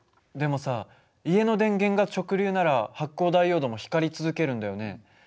でもさ家の電源が直流なら発光ダイオードも光り続けるんだよね。